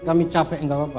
kami capek nggak apa apa